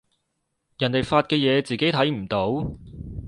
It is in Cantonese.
人哋發嘅嘢自己睇唔到